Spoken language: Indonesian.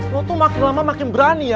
lo tuh makin lama makin berani ya